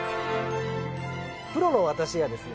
プロの私がですね